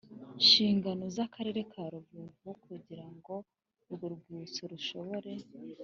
Nshingano z akarere ka rubavu kugira ngo urwo rwibutso rushobore